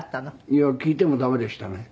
いや聞いても駄目でしたね。